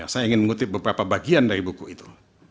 saya ingin mengutip beberapa bagian dari buku itu